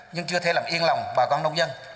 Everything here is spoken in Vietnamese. nhưng chưa thể làm yên lòng bà con nông dân